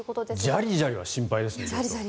ジャリジャリは心配ですね。